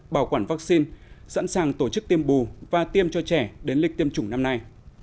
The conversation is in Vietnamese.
bảo quản vaccine sẵn sàng tổ chức tiêm bù và tiêm cho trẻ đến lịch tiêm chủng năm nay